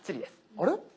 あれ？